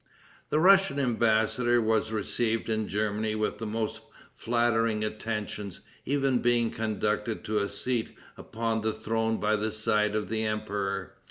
The Russian embassador was received in Germany with the most flattering attentions, even being conducted to a seat upon the throne by the side of the emperor.